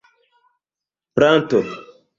planto